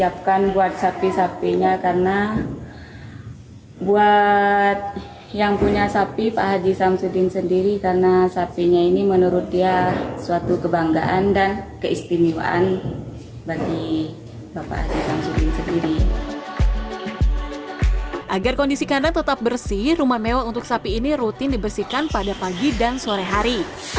agar kondisi kandang tetap bersih rumah mewah untuk sapi ini rutin dibersihkan pada pagi dan sore hari